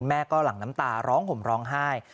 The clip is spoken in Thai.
แม่ก็หลั่งน้ำตาร้องห่มร้องไห้